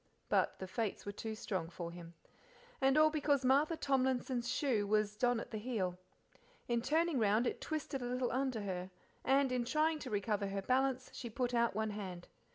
But the Fates were too strong for him. And all because Martha Tomlinson's shoe was don at the heel. In turning round it twisted a little under her, and, in trying to recover her balance, she put out one hand.